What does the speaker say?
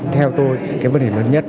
theo tôi cái vấn đề lớn nhất